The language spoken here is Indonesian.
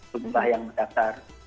bapak yang mendaftar